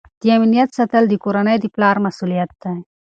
د امنیت ساتل د کورنۍ د پلار مسؤلیت دی.